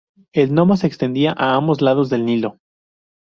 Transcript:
El nomo se extendía a ambos lados del Nilo.